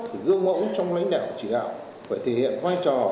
phải gương mẫu trong lãnh đạo chỉ đạo phải thể hiện vai trò